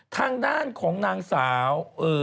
ทางด้านของนางสาว